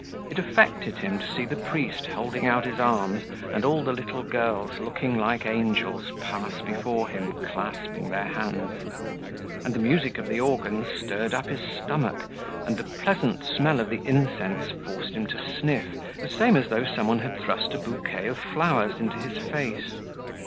It affected him to see the priest holding out his arms and all the little girls, looking like angels, pass before him, clasping their hands; and the music of the organ stirred up his stomach and the pleasant smell of the incense forced him to sniff, the same as though someone had thrust a bouquet of flowers into his face.